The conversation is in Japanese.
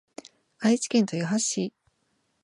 愛知県豊橋市